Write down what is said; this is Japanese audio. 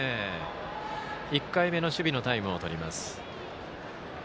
１回目の守備のタイムをとります。